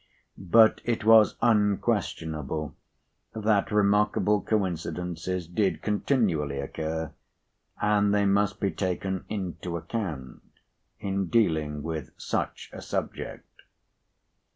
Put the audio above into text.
But, it was unquestionable that p. 101remarkable coincidences did continually occur, and they must be taken into account in dealing with such a subject.